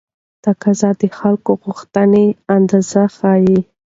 تقاضا د خلکو غوښتنې اندازه ښيي.